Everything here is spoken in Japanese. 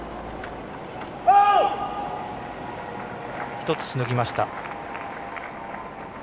１つしのぎました。